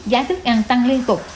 giá thức ăn tăng liên tục